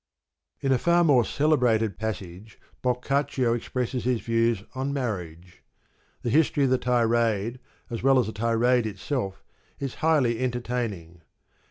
In a far more celebrated passage Boccaccio expresses his views on marriage. The history of the tirade as well as the tirade itself is highly entertaining.